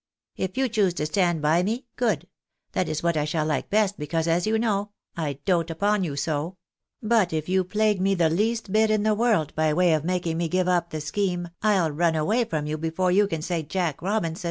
If you choose to stand by me, good ; that is what I shall like best, because, as you know, I dote upon you so ; but if you plague me the least bit in the world by way of making me give up the scheme, I'll run away from you before you can say Jack Eobinson."